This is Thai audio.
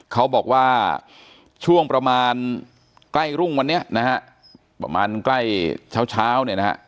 เขาบอกว่าช่วงประมาณใกล้รุ่งวันนี้นะฮะประมาณใกล้เช้าเช้าเนี่ยนะฮะ